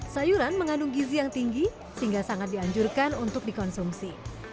sayuran mengandung gizi yang tinggi sehingga sangat dianjurkan untuk dikonsumsi